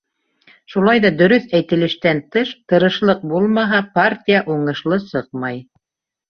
Шулай ҙа дөрөҫ әйтелештән тыш, тырышлыҡ булмаһа, партия уңышлы сыҡмай.